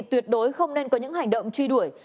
tuyệt đối không nên có những hành động truy đuổi